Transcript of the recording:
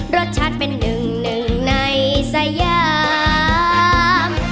รสชาติเป็นหนึ่งในสยาม